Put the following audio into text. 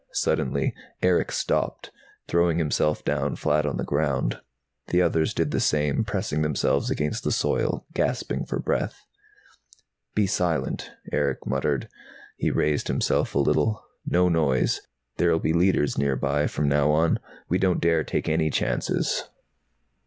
Suddenly Erick stopped, throwing himself down flat on the ground. The others did the same, pressing themselves against the soil, gasping for breath. "Be silent," Erick muttered. He raised himself a little. "No noise. There'll be Leiters nearby, from now on. We don't dare take any chances."